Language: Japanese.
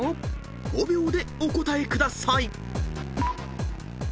［５秒でお答えください］